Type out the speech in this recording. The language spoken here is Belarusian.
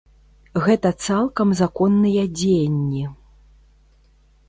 Гэта цалкам законныя дзеянні.